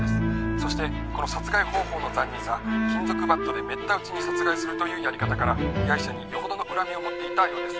「そしてこの殺害方法の残忍さ金属バットでめった打ちに殺害するというやり方から被害者によほどの恨みを持っていたようです」